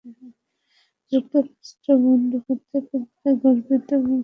যুক্তরাষ্ট্র বন্ধু হতে পেতে গর্বিত এবং তাঁর সেই স্বপ্ন পূরণে দৃঢ় সমর্থক।